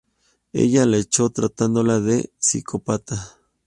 Ella lo echa tratándolo de psicópata.